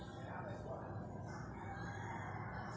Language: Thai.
มีเวลาเมื่อเวลาเมื่อเวลา